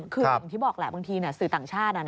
คืออย่างที่บอกแหละบางทีสื่อต่างชาติ